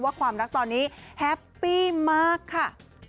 ความรักตอนนี้แฮปปี้มากค่ะ